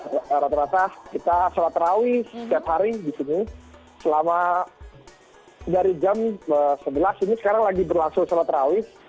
ibadah rata rata kita salat rawi setiap hari di sini selama dari jam sebelas ini sekarang lagi berlangsung salat rawi